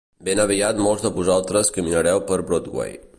Ben aviat molts de vosaltres caminareu per Broadway.